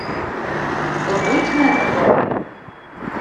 Вы будете на этом бале?